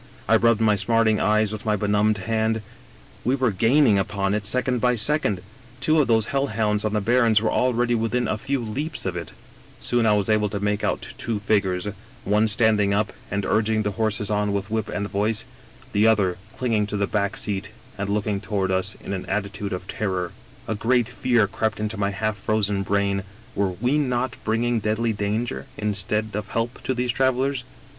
" I rubbed my smarting eyes with my benumbed hand ; we were gaining upon it second by second; two of those hell hounds of the baron's were already within a few leaps of it. 132 EgerUm Castle " Soon I was able to make out two figures, one standings up and urging the horses on with whip and voice, the other clinging to the back seat and looking toward us in an atti tude of terror. A great fear crept into my half frozen brain — were we not bringing deadly danger instead of help to these travelers